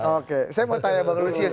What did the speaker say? oke saya mau tanya bang lusius